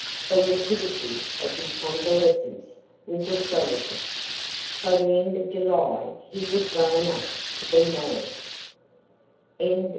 The rapidity of his convalescence was astonishing. By the end of July he was well enough to be married.